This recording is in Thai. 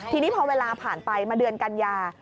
ทีนี้พอเวลาผ่านไปมาเดือนกันยา